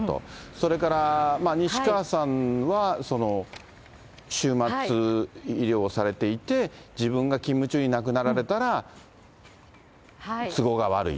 それから、西川さんは終末医療をされていて、自分が勤務中に亡くなられたら、都合が悪い。